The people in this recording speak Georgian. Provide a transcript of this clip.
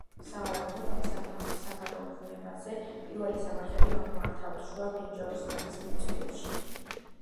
სავარაუდოდ, ამ სამაროვნებზე პირველი სამარხები გაუმართავთ შუა ბრინჯაოს ხანის მიწურულში.